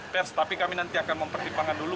pers tapi kami nanti akan mempertimbangkan dulu